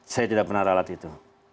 saya tidak pernah ralat itu